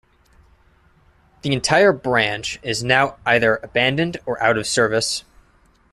The entire branch is now either abandoned or out of service.